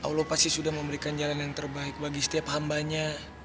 allah pasti sudah memberikan jalan yang terbaik bagi setiap hambanya